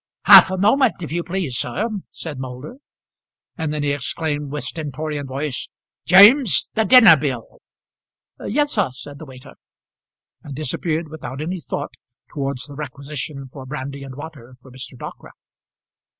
"Half a moment, if you please, sir," said Moulder; and then he exclaimed with stentorian voice, "James, the dinner bill." "Yes, sir," said the waiter, and disappeared without any thought towards the requisition for brandy and water from Mr. Dockwrath.